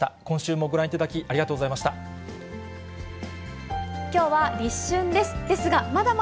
今週もご覧いただき、ありがとう